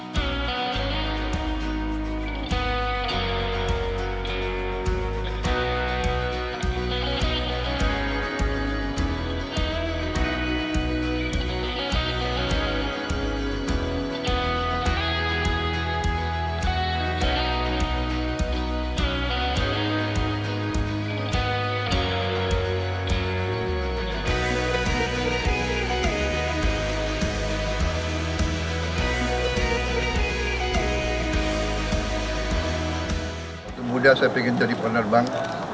waktu muda saya ingin jadi penerbang